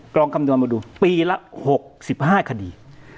ลองคำนวณมาดูปีละ๖๕คดี